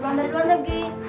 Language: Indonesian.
bukan dari luar negeri